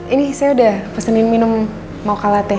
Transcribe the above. ini saya udah pesenin minum mocha latte